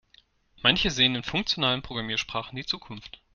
Manche sehen in funktionalen Programmiersprachen die Zukunft.